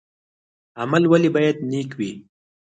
عمل ولې باید نیک وي؟